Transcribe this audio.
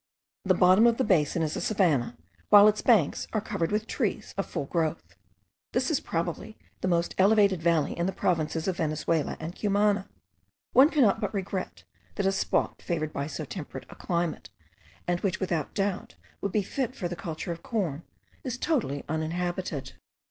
The bottom of the basin is a savannah, while its banks are covered with trees of full growth. This is probably the most elevated valley in the provinces of Venezuela and Cumana. One cannot but regret, that a spot favoured by so temperate a climate, and which without doubt would be fit for the culture of corn, is totally uninhabited.